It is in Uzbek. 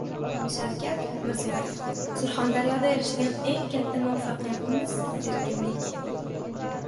Shavkat Mirziyoyev: Surxondaryoda erishgan eng katta muvaffaqiyatimiz - erkinlik